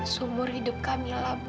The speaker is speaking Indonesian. sumbur hidup kamila bu